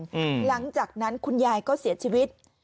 หลังจากนั้นคุณยายก็เสียชีวิต